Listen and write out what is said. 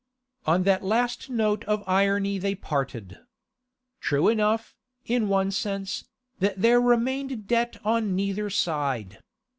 On that last note of irony they parted. True enough, in one sense, that there remained debt on neither side.